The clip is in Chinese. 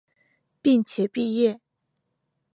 并且毕业。